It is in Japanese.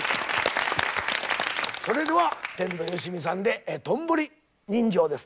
それでは天童よしみさんで「道頓堀人情」です。